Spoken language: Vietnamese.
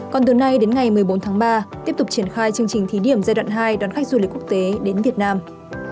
còn từ nay đến ngày một mươi bốn tháng ba tiếp tục triển khai chương trình thí điểm giai đoạn hai đón khách du lịch quốc tế đến việt nam